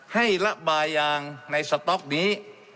ให้ระบายยางในสต๊อกนี้